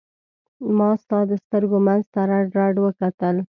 ما ستا د سترګو منځ ته رډ رډ وکتل.